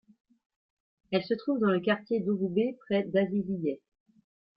Elle se trouve dans le quartier d'Ouroubeh près d'Aziziyeh.